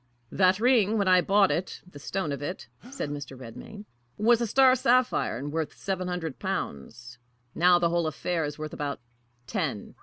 "That ring, when I bought it the stone of it," said Mr. Redmain, "was a star sapphire, and worth seven hundred pounds; now, the whole affair is worth about ten."